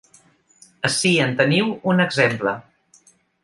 Ací en teniu un exemple.